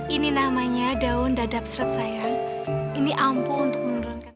ini namanya daun dadap serap sayang ini ampu untuk menurunkan